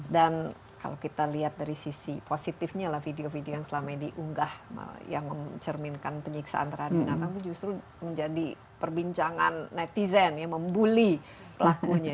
dan kalau kita lihat dari sisi positifnya lah video video yang selama ini diunggah yang mencerminkan penyiksaan terhadap binatang itu justru menjadi perbincangan netizen yang membuli pelakunya